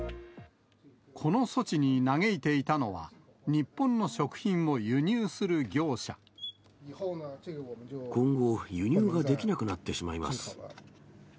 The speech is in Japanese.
この措置に嘆いていたのは、今後、輸入ができなくなってしまいます。